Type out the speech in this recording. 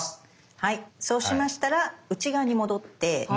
はいそうしましたら内側に戻って３番ですね